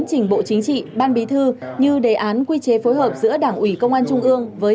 trình bộ chính trị ban bí thư như đề án quy chế phối hợp giữa đảng ủy công an trung ương với